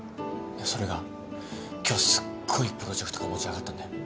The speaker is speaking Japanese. それが今日すっごいプロジェクトが持ち上がったんだよ。